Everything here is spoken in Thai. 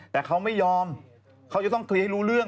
แต่เขาไม่ยอมเขาจะต้องเคลียร์ให้รู้เรื่อง